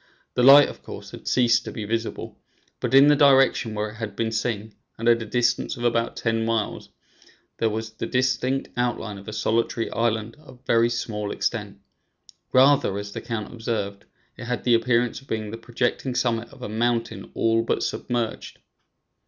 The light, of course, had ceased to be visible, but in the direction where it had been seen, and at a distance of about ten miles, there was the distinct outline of a solitary island of very small extent; rather, as the count observed, it had the appearance of being the projecting summit of a mountain all but submerged.